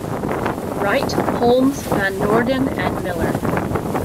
Wright, Homlz, van Nourdon, and Miller.